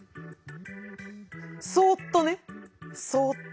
そっとねそっと。